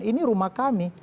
ini rumah kami